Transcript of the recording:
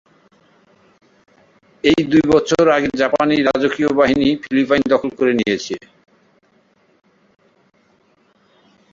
এর দুই বছর আগে জাপানি রাজকীয় বাহিনী ফিলিপাইন দখল করে নিয়েছে।